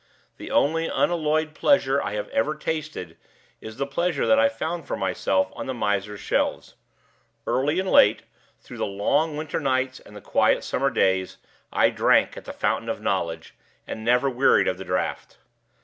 The only unalloyed pleasure I have ever tasted is the pleasure that I found for myself on the miser's shelves. Early and late, through the long winter nights and the quiet summer days, I drank at the fountain of knowledge, and never wearied of the draught.